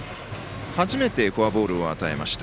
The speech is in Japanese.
初めてフォアボールを与えました。